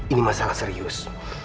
ini masalah serius